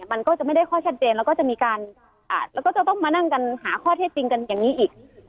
มันก็จะไม่ได้ข้อชัดเจนแล้วก็จะมีการแล้วก็จะต้องมานั่งกันหาข้อเท็จจริงกันอย่างนี้อีก